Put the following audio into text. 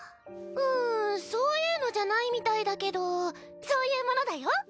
うんそういうのじゃないみたいだけどそういうものだよ。